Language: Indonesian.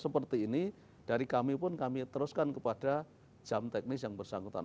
seperti ini dari kami pun kami teruskan kepada jam teknis yang bersangkutan